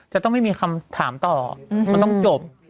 จะต้องไม่มีคำถามต่อมันต้องจบ